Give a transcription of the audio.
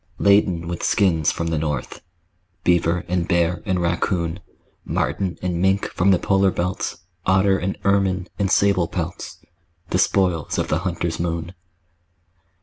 Laden with skins from the north, Beaver and bear and raccoon, Marten and mink from the polar belts, Otter and ermine and sable pelts The spoils of the hunter's moon.